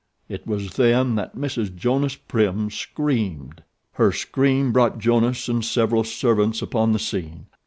It was then that Mrs. Jonas Prim screamed. Her scream brought Jonas and several servants upon the scene.